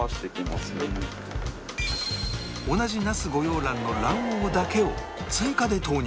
同じ那須御養卵の卵黄だけを追加で投入